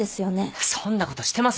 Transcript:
そんなことしてませんよ。